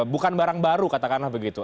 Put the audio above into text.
bukan barang baru katakanlah begitu